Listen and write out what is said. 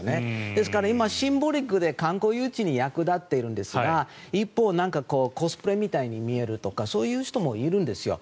ですから、今シンボリックに観光誘致に役立っているんですが一方コスプレみたいに見えるとかそういう人もいるんですよ。